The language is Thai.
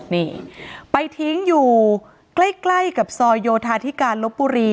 นี่ไปทิ้งอยู่ใกล้ใกล้กับซอยโยธาธิการลบบุรี